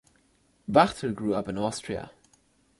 Wachter grew up in Austria.